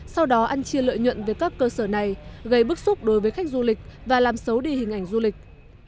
sau đó ăn chia lợi nhuận về các cơ sở này gây bức xúc đối với khách du lịch và làm xấu đi hình ảnh du lịch